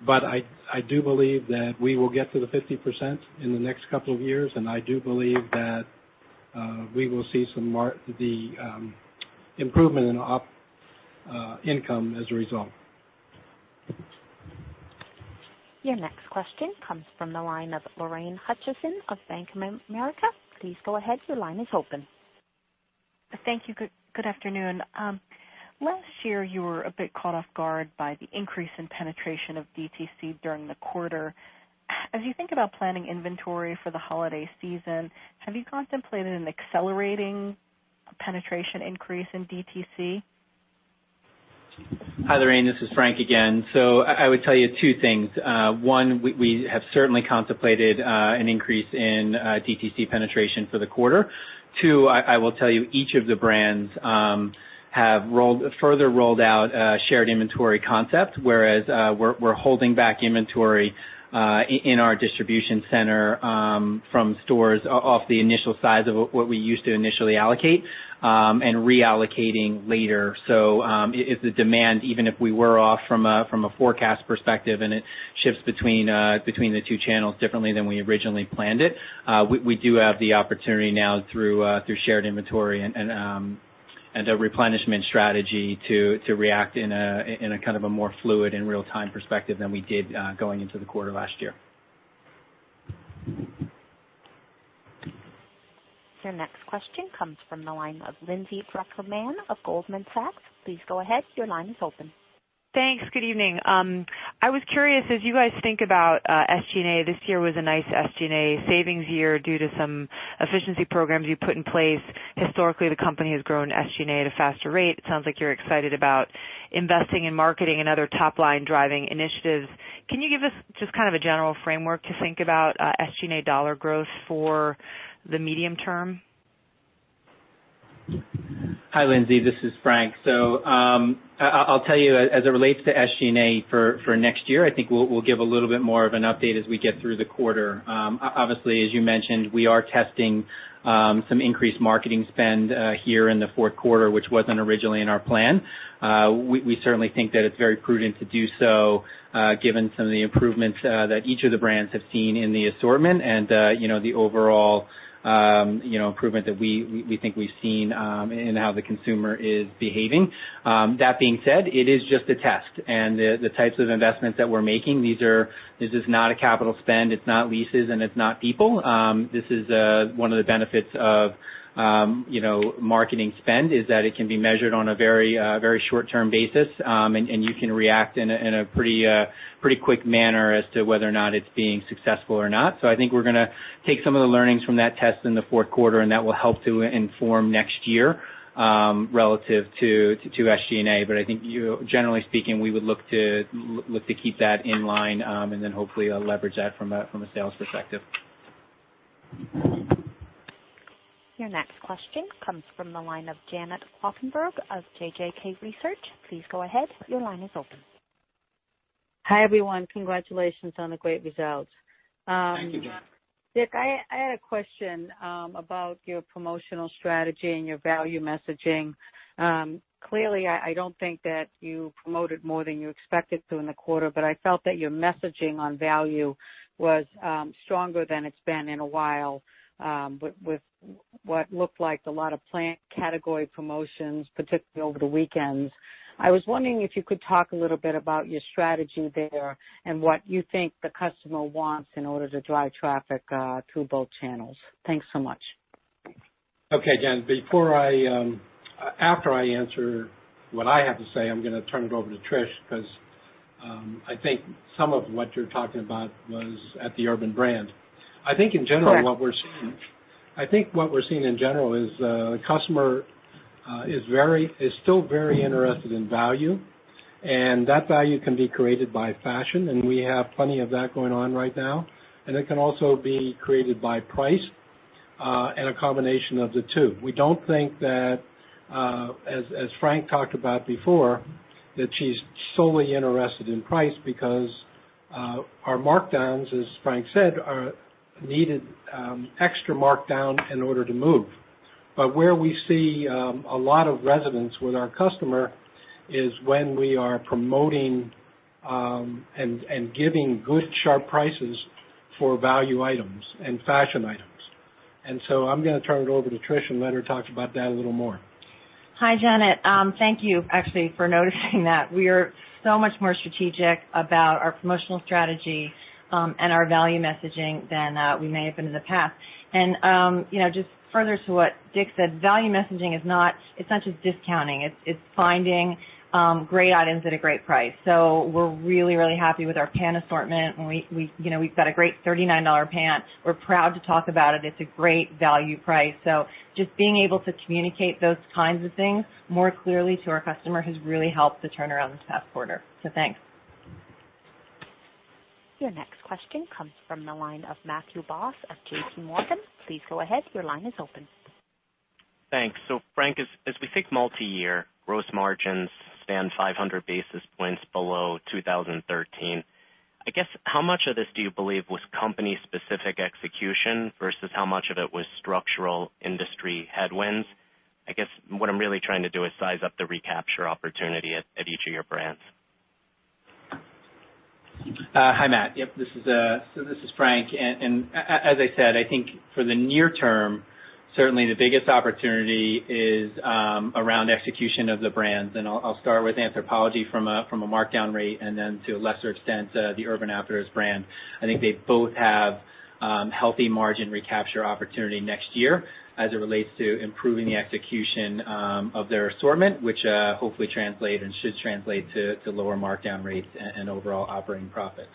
I do believe that we will get to the 50% in the next couple of years. I do believe that we will see the improvement in op income as a result. Your next question comes from the line of Lorraine Hutchinson of Bank of America. Please go ahead. Your line is open. Thank you. Good afternoon. Last year, you were a bit caught off guard by the increase in penetration of DTC during the quarter. As you think about planning inventory for the holiday season, have you contemplated an accelerating penetration increase in DTC? Hi, Lorraine, this is Frank again. I would tell you two things. One, we have certainly contemplated an increase in DTC penetration for the quarter. Two, I will tell you each of the brands have further rolled out a shared inventory concept, whereas we're holding back inventory in our distribution center from stores off the initial size of what we used to initially allocate and reallocating later. If the demand, even if we were off from a forecast perspective and it shifts between the two channels differently than we originally planned it, we do have the opportunity now through shared inventory and a replenishment strategy to react in a more fluid and real-time perspective than we did going into the quarter last year. Your next question comes from the line of Lindsay Drucker Mann of Goldman Sachs. Please go ahead. Your line is open. Thanks. Good evening. I was curious as you guys think about SG&A, this year was a nice SG&A savings year due to some efficiency programs you put in place. Historically, the company has grown SG&A at a faster rate. It sounds like you're excited about investing in marketing and other top-line driving initiatives. Can you give us just a general framework to think about SG&A dollar growth for the medium term? Hi, Lindsay, this is Frank. I'll tell you, as it relates to SG&A for next year, I think we'll give a little bit more of an update as we get through the quarter. Obviously, as you mentioned, we are testing some increased marketing spend here in the fourth quarter, which wasn't originally in our plan. We certainly think that it's very prudent to do so given some of the improvements that each of the brands have seen in the assortment and the overall improvement that we think we've seen in how the consumer is behaving. That being said, it is just a test, and the types of investments that we're making, this is not a capital spend, it's not leases, and it's not people. This is one of the benefits of marketing spend is that it can be measured on a very short-term basis, and you can react in a pretty quick manner as to whether or not it's being successful or not. I think we're going to take some of the learnings from that test in the fourth quarter, and that will help to inform next year relative to SG&A. I think generally speaking, we would look to keep that in line and then hopefully leverage that from a sales perspective. Your next question comes from the line of Janet Kloppenburg of JJK Research. Please go ahead. Your line is open. Hi, everyone. Congratulations on the great results. Thank you, Janet. Dick, I had a question about your promotional strategy and your value messaging. Clearly, I don't think that you promoted more than you expected to in the quarter, but I felt that your messaging on value was stronger than it's been in a while, with what looked like a lot of planned category promotions, particularly over the weekends. I was wondering if you could talk a little bit about your strategy there and what you think the customer wants in order to drive traffic through both channels. Thanks so much. Okay, Janet. After I answer what I have to say, I'm going to turn it over to Trish because, I think some of what you're talking about was at the Urban brand. I think what we're seeing in general is the customer is still very interested in value, and that value can be created by fashion, and we have plenty of that going on right now, and it can also be created by price, and a combination of the two. We don't think that, as Frank talked about before, that she's solely interested in price because our markdowns, as Frank said, are needed extra markdown in order to move. Where we see a lot of resonance with our customer is when we are promoting, and giving good, sharp prices for value items and fashion items. I'm going to turn it over to Trish and let her talk about that a little more. Hi, Janet. Thank you, actually, for noticing that. We are so much more strategic about our promotional strategy, and our value messaging than we may have been in the past. Just further to what Dick said, value messaging, it's not just discounting. It's finding great items at a great price. We're really, really happy with our pant assortment, and we've got a great $39 pant. We're proud to talk about it. It's a great value price. Just being able to communicate those kinds of things more clearly to our customer has really helped the turnaround this past quarter. Thanks. Your next question comes from the line of Matthew Boss of JPMorgan. Please go ahead. Your line is open. Thanks. Frank, as we think multi-year gross margins stand 500 basis points below 2013, I guess, how much of this do you believe was company-specific execution versus how much of it was structural industry headwinds? I guess what I'm really trying to do is size up the recapture opportunity at each of your brands. Hi, Matt. Yep. This is Frank. As I said, I think for the near term, certainly the biggest opportunity is around execution of the brands. I'll start with Anthropologie from a markdown rate and then to a lesser extent, the Urban Outfitters brand. I think they both have healthy margin recapture opportunity next year as it relates to improving the execution of their assortment, which hopefully translate and should translate to lower markdown rates and overall operating profit.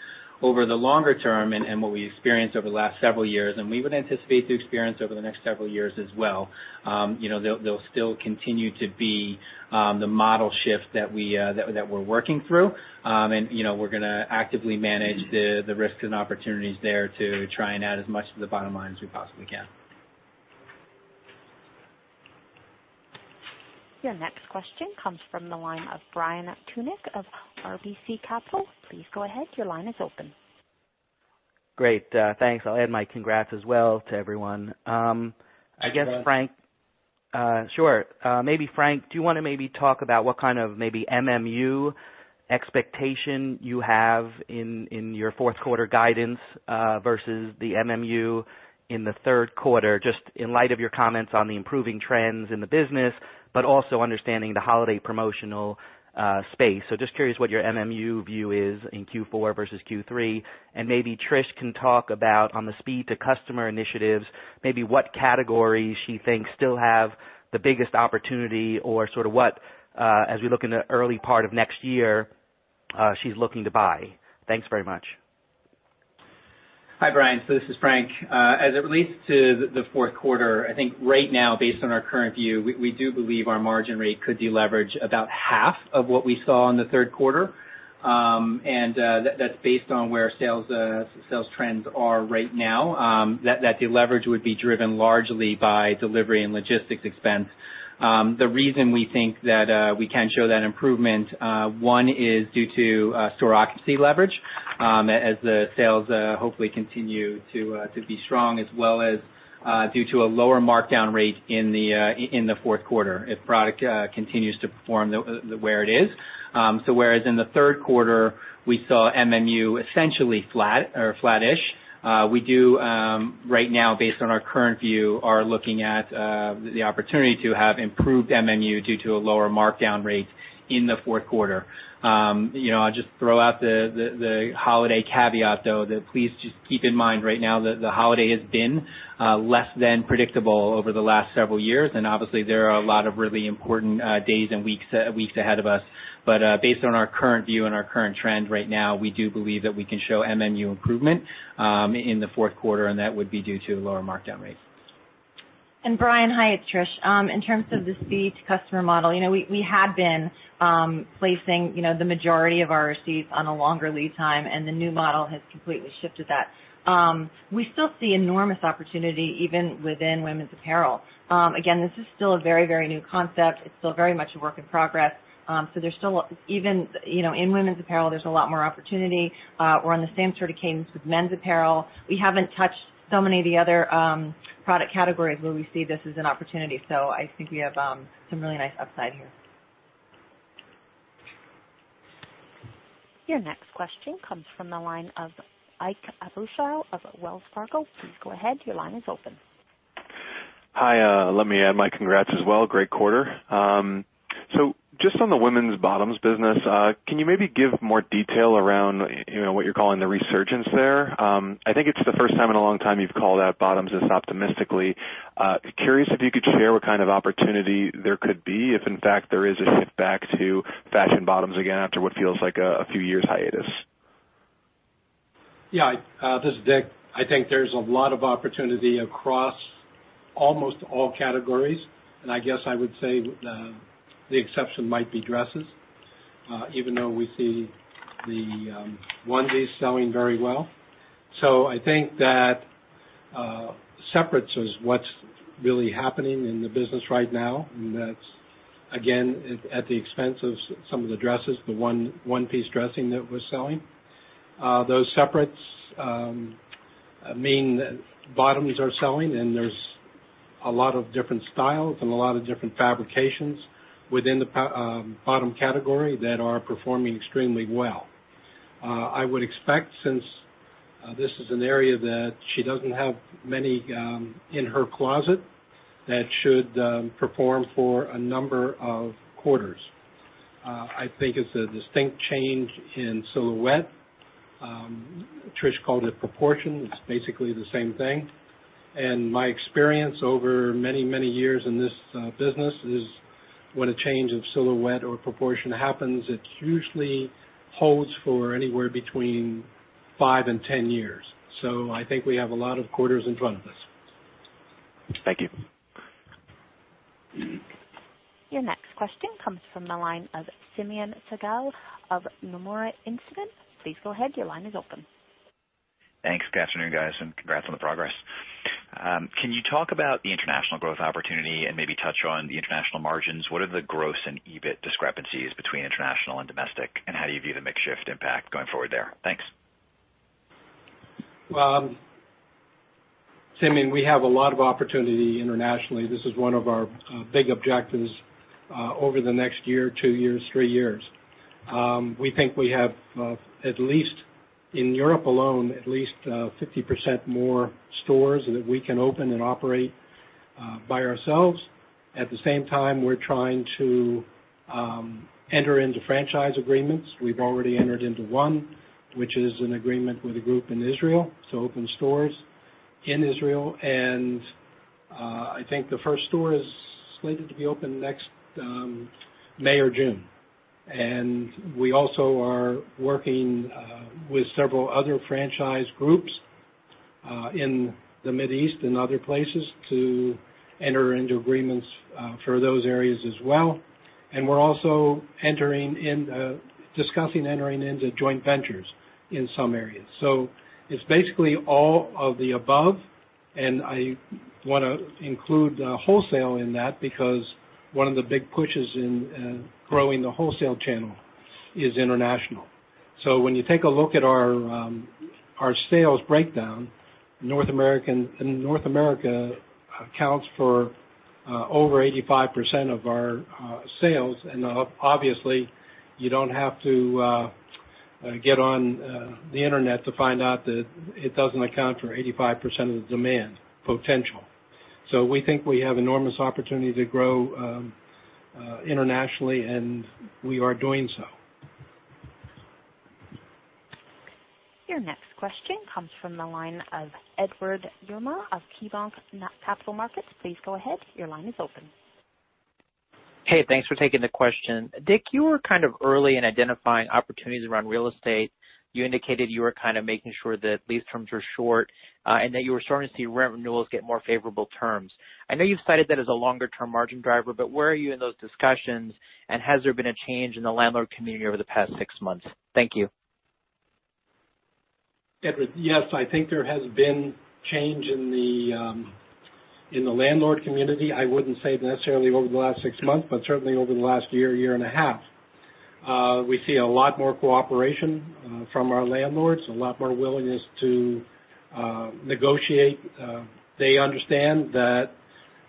Over the longer term and what we experienced over the last several years, we would anticipate to experience over the next several years as well, there'll still continue to be the model shift that we're working through. We're going to actively manage the risks and opportunities there to try and add as much to the bottom line as we possibly can. Your next question comes from the line of Brian Tunick of RBC Capital. Please go ahead. Your line is open. Great. Thanks. I'll add my congrats as well to everyone. Thanks, Brian. Sure. Maybe Frank, do you want to maybe talk about what kind of maybe MMU expectation you have in your fourth quarter guidance, versus the MMU in the third quarter, just in light of your comments on the improving trends in the business, but also understanding the holiday promotional space. Just curious what your MMU view is in Q4 versus Q3, and maybe Trish can talk about on the speed to customer initiatives, maybe what categories she thinks still have the biggest opportunity or sort of what, as we look in the early part of next year, she's looking to buy. Thanks very much. Hi, Brian. This is Frank. As it relates to the fourth quarter, I think right now, based on our current view, we do believe our margin rate could deleverage about half of what we saw in the third quarter, and that's based on where sales trends are right now. That deleverage would be driven largely by delivery and logistics expense. The reason we think that we can show that improvement, one is due to store occupancy leverage, as the sales hopefully continue to be strong as well as due to a lower markdown rate in the fourth quarter if product continues to perform where it is. Whereas in the third quarter, we saw MMU essentially flat or flat-ish. We do, right now based on our current view, are looking at the opportunity to have improved MMU due to a lower markdown rate in the fourth quarter. I'll just throw out the holiday caveat, though, that please just keep in mind right now that the holiday has been less than predictable over the last several years. Obviously there are a lot of really important days and weeks ahead of us. Based on our current view and our current trend right now, we do believe that we can show MMU improvement in the fourth quarter, and that would be due to lower markdown rates. Brian. Hi, it's Trish. In terms of the speed to customer model, we had been placing the majority of our receipts on a longer lead time. The new model has completely shifted that. We still see enormous opportunity even within women's apparel. This is still a very new concept. It's still very much a work in progress. Even in women's apparel, there's a lot more opportunity. We're on the same sort of cadence with men's apparel. We haven't touched so many of the other product categories where we see this as an opportunity. I think we have some really nice upside here. Your next question comes from the line of Ike Boruchow of Wells Fargo. Please go ahead. Your line is open. Hi. Let me add my congrats as well. Great quarter. Just on the women's bottoms business, can you maybe give more detail around what you're calling the resurgence there? I think it's the first time in a long time you've called out bottoms this optimistically. Curious if you could share what kind of opportunity there could be, if in fact there is a shift back to fashion bottoms again after what feels like a few years' hiatus. This is Dick. I think there's a lot of opportunity across almost all categories. I guess I would say the exception might be dresses, even though we see the onesies selling very well. I think that separates is what's really happening in the business right now. That's, again, at the expense of some of the dresses, the one piece dressing that was selling. Those separates mean bottoms are selling. There's a lot of different styles and a lot of different fabrications within the bottom category that are performing extremely well. I would expect since this is an area that she doesn't have many in her closet, that should perform for a number of quarters. I think it's a distinct change in silhouette. Trish called it proportion. It's basically the same thing. My experience over many years in this business is when a change of silhouette or proportion happens, it usually holds for anywhere between 5 and 10 years. I think we have a lot of quarters in front of us. Thank you. Your next question comes from the line of Simeon Siegel of Nomura Instinet. Please go ahead. Your line is open. Thanks. Good afternoon, guys, and congrats on the progress. Can you talk about the international growth opportunity and maybe touch on the international margins? What are the gross and EBIT discrepancies between international and domestic, and how do you view the mix shift impact going forward there? Thanks. Simeon, we have a lot of opportunity internationally. This is one of our big objectives, over the next year, two years, three years. We think we have, in Europe alone, at least 50% more stores that we can open and operate by ourselves. At the same time, we're trying to enter into franchise agreements. We've already entered into one, which is an agreement with a group in Israel to open stores in Israel, and I think the first store is slated to be open next May or June. We also are working with several other franchise groups, in the Mid East and other places to enter into agreements for those areas as well. We're also discussing entering into joint ventures in some areas. It's basically all of the above, and I want to include wholesale in that because one of the big pushes in growing the wholesale channel is international. When you take a look at our sales breakdown, North America accounts for over 85% of our sales, and obviously you don't have to get on the Internet to find out that it doesn't account for 85% of the demand potential. We think we have enormous opportunity to grow internationally, and we are doing so. Your next question comes from the line of Edward Yruma of KeyBanc Capital Markets. Please go ahead. Your line is open. Hey, thanks for taking the question. Dick, you were kind of early in identifying opportunities around real estate. You indicated you were kind of making sure that lease terms were short, and that you were starting to see rent renewals get more favorable terms. I know you've cited that as a longer term margin driver, but where are you in those discussions, and has there been a change in the landlord community over the past six months? Thank you. Edward. I think there has been change in the landlord community. I wouldn't say necessarily over the last six months, but certainly over the last year and a half. We see a lot more cooperation from our landlords, a lot more willingness to negotiate. They understand that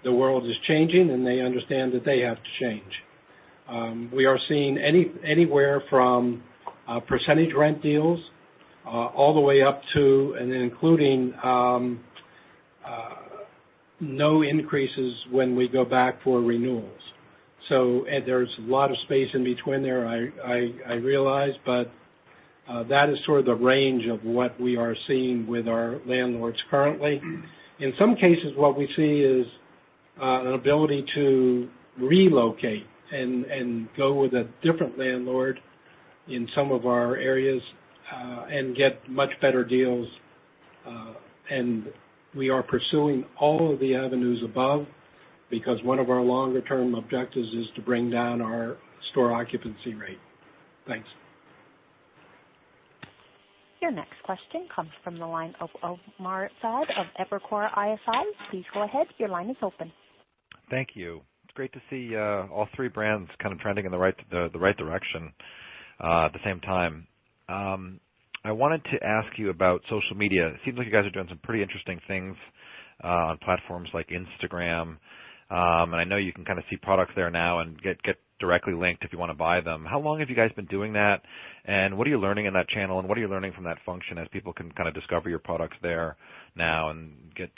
the world is changing, and they understand that they have to change. We are seeing anywhere from percentage rent deals, all the way up to and including no increases when we go back for renewals. There's a lot of space in between there, I realize. That is sort of the range of what we are seeing with our landlords currently. In some cases, what we see is an ability to relocate and go with a different landlord in some of our areas, and get much better deals. We are pursuing all of the avenues above because one of our longer term objectives is to bring down our store occupancy rate. Thanks. Your next question comes from the line of Omar Saad of Evercore ISI. Please go ahead. Your line is open. Thank you. It's great to see all three brands trending in the right direction at the same time. I wanted to ask you about social media. It seems like you guys are doing some pretty interesting things on platforms like Instagram. I know you can see products there now and get directly linked if you want to buy them. How long have you guys been doing that, and what are you learning in that channel, and what are you learning from that function as people can discover your products there now and get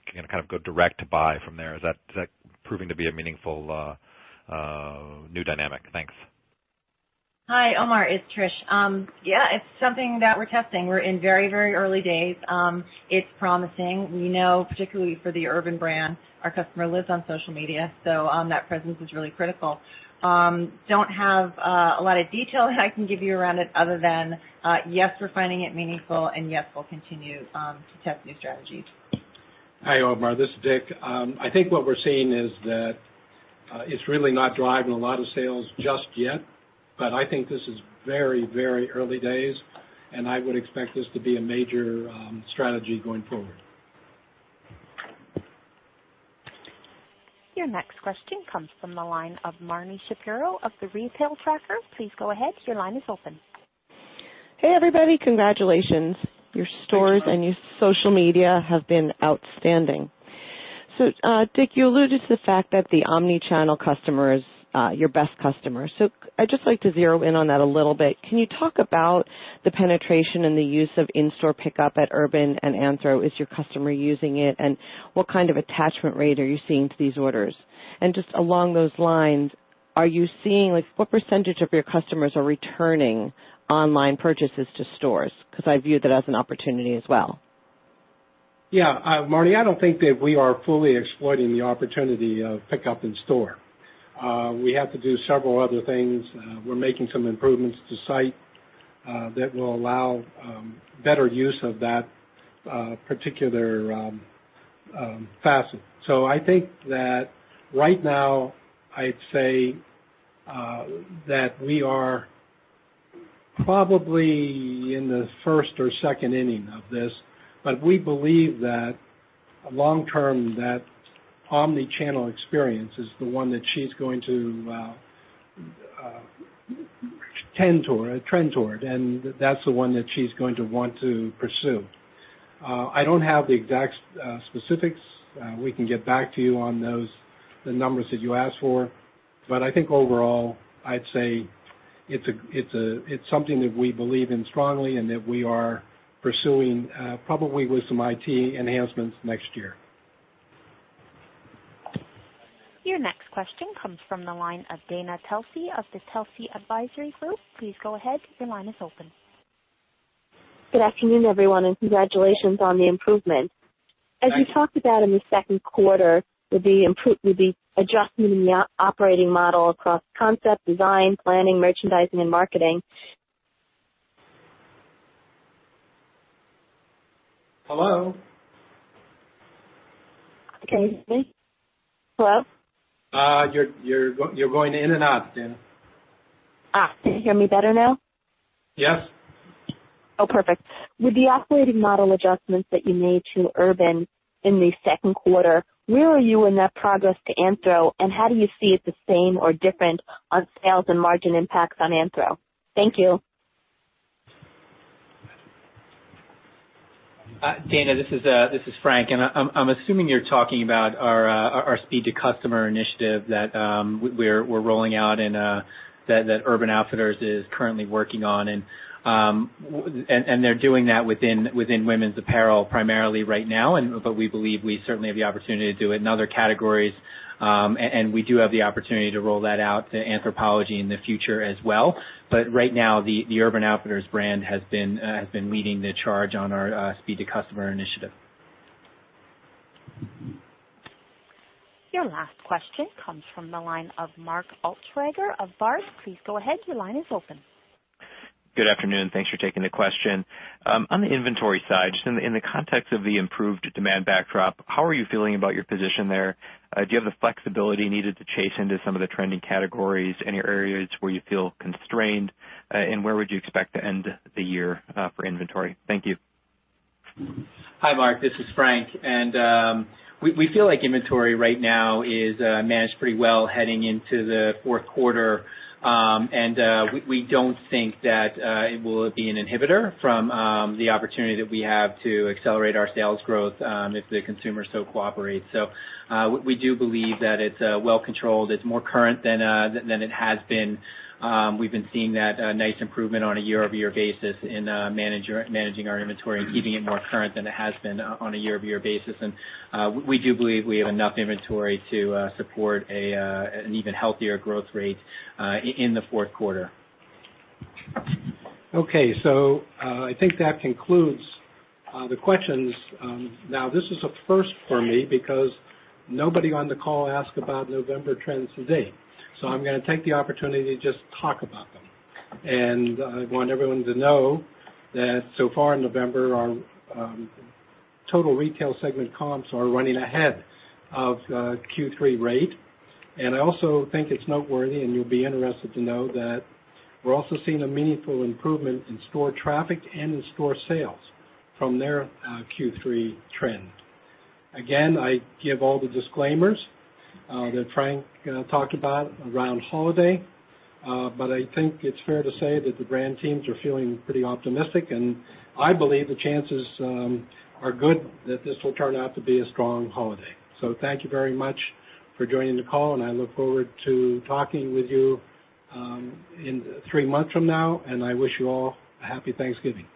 direct to buy from there? Is that proving to be a meaningful new dynamic? Thanks. Hi, Omar. It's Trish. It's something that we're testing. We're in very early days. It's promising. We know, particularly for the Urban brand, our customer lives on social media, so that presence is really critical. Don't have a lot of detail I can give you around it other than, yes, we're finding it meaningful and yes, we'll continue to test new strategies. Hi, Omar. This is Dick. I think what we're seeing is that it's really not driving a lot of sales just yet, but I think this is very early days, and I would expect this to be a major strategy going forward. Your next question comes from the line of Marni Shapiro of The Retail Tracker. Please go ahead. Your line is open. Hey, everybody. Congratulations. Your stores and your social media have been outstanding. Dick, you alluded to the fact that the omni-channel customer is your best customer. I'd just like to zero in on that a little bit. Can you talk about the penetration and the use of in-store pickup at Urban and Anthropologie? Is your customer using it, and what kind of attachment rate are you seeing to these orders? Just along those lines, what % of your customers are returning online purchases to stores? Because I view that as an opportunity as well. Yeah. Marni, I don't think that we are fully exploiting the opportunity of pickup in store. We have to do several other things. We're making some improvements to site that will allow better use of that particular facet. I think that right now, I'd say that we are probably in the first or second inning of this, but we believe that long-term, that omni-channel experience is the one that she's going to trend toward, and that's the one that she's going to want to pursue. I don't have the exact specifics. We can get back to you on those, the numbers that you asked for. I think overall, I'd say it's something that we believe in strongly and that we are pursuing, probably with some IT enhancements next year. Your next question comes from the line of Dana Telsey of the Telsey Advisory Group. Please go ahead. Your line is open. Good afternoon, everyone. Congratulations on the improvement. Thanks. As you talked about in the second quarter, with the adjustment in the operating model across concept, design, planning, merchandising, and marketing. Hello? Can you hear me? Hello? You're going in and out, Dana. Can you hear me better now? Yes. Oh, perfect. With the operating model adjustments that you made to Urban in the second quarter, where are you in that progress to Anthro, how do you see it the same or different on sales and margin impacts on Anthro? Thank you. Dana, this is Frank. I'm assuming you're talking about our Speed to Customer initiative that we're rolling out and that Urban Outfitters is currently working on. They're doing that within women's apparel primarily right now, we believe we certainly have the opportunity to do it in other categories. We do have the opportunity to roll that out to Anthropologie in the future as well. Right now, the Urban Outfitters brand has been leading the charge on our Speed to Customer initiative. Your last question comes from the line of Mark Altschwager of Baird. Please go ahead. Your line is open. Good afternoon. Thanks for taking the question. On the inventory side, just in the context of the improved demand backdrop, how are you feeling about your position there? Do you have the flexibility needed to chase into some of the trending categories? Any areas where you feel constrained? Where would you expect to end the year for inventory? Thank you. Hi, Mark. This is Frank. We feel like inventory right now is managed pretty well heading into the fourth quarter. We don't think that it will be an inhibitor from the opportunity that we have to accelerate our sales growth if the consumer so cooperates. We do believe that it's well controlled. It's more current than it has been. We've been seeing that nice improvement on a year-over-year basis in managing our inventory and keeping it more current than it has been on a year-over-year basis. We do believe we have enough inventory to support an even healthier growth rate in the fourth quarter. Okay. I think that concludes the questions. Now, this is a first for me because nobody on the call asked about November trends to date. I'm going to take the opportunity to just talk about them. I want everyone to know that so far in November, our total retail segment comps are running ahead of Q3 rate. I also think it's noteworthy, and you'll be interested to know that we're also seeing a meaningful improvement in store traffic and in store sales from their Q3 trend. Again, I give all the disclaimers that Frank talked about around holiday. I think it's fair to say that the brand teams are feeling pretty optimistic, and I believe the chances are good that this will turn out to be a strong holiday. Thank you very much for joining the call, and I look forward to talking with you in three months from now, and I wish you all a happy Thanksgiving.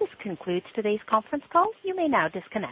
This concludes today's conference call. You may now disconnect.